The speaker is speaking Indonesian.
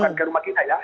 bukan ke rumah kita ya